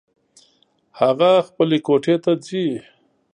هغه خپلې کوټې ته ځي